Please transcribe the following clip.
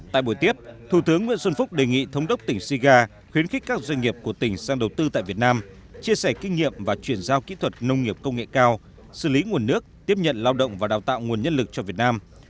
tại buổi tiếp thủ tướng nguyễn xuân phúc đề nghị thống đốc tỉnh siga khuyến khích các doanh nghiệp của tỉnh sang đầu tư tại việt nam chia sẻ kinh nghiệm và chuyển giao kỹ thuật nông nghiệp công nghệ cao xử lý nguồn nước tiếp nhận lao động và đào tạo nguồn nhân lực cho việt nam